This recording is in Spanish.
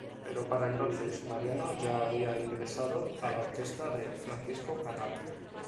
Pero para entonces Mariano ya había ingresado a la Orquesta de Francisco Canaro.